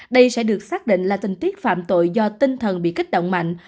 đây sẽ được xác định là tình tiết phạm tội do tinh thần bị kích động mạnh